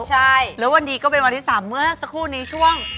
ใช่แล้ววันนี้ก็เป็นวันที่๓เมื่อสักครู่นี้ช่วง